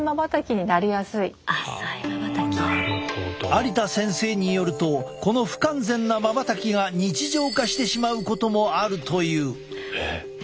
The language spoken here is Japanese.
有田先生によるとこの不完全なまばたきが日常化してしまうこともあるという。